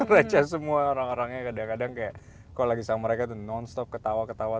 receh semua orang orangnya kadang kadang kayak kok lagi sama mereka tuh non stop ketawa ketawa